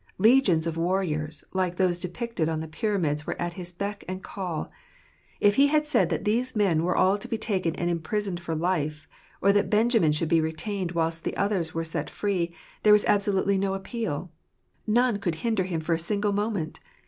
Legions of warriors, like those depicted on the pyramids were at his beck and call. If he had said that these men were all to be taken and imprisoned for life, or that Benjamin should be retained whilst the others were set free, there was absolutely no appeal : none could hinder him for a single moment.